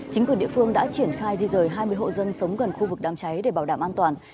chính quyền địa phương đã triển khai di rời hai mươi hộ dân sống gần khu vực đám cháy để bảo đảm an toàn